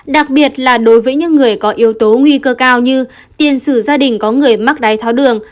đặc biệt là đối với những người có yếu tố nguy cơ cao như tiền sử gia đình có người mắc đáy tháo đường